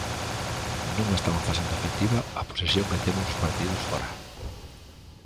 Non estamos facendo efectiva a posesión que temos nos partidos fóra.